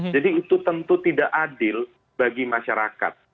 jadi itu tentu tidak adil bagi masyarakat